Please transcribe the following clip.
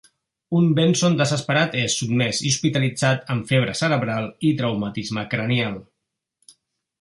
Un Benson desesperat és sotmès i hospitalitzat amb "febre cerebral" i traumatisme cranial.